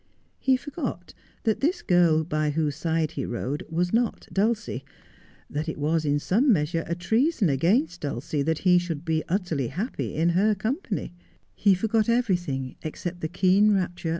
He forgot that this girl by whose side he rode was not Dulcie, that it was in some measure a treason against Dulcie that he should be utterly happy in her company ; he forgot everything except the keen rapture 110 Just as I Am.